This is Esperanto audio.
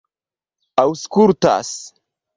aŭskultas